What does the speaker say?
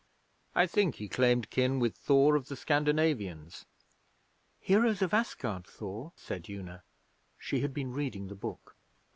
I think he claimed kin with Thor of the Scandinavians.' 'Heroes of Asgard Thor?' said Una. She had been reading the book.